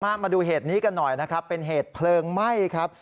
มาดูเหตุนี้กันหน่อยนะครับเป็นเหตุเพลิงไหม้ครับ